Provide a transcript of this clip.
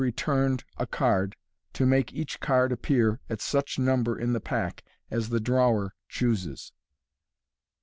Returned » Card, to make bach Card appear at such Number in thb Pack, as the Drawer chooses.